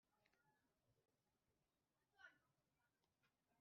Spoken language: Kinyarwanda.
Muri iryo joro twarasabanye turavugana